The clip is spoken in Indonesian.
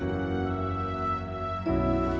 apaan sih dia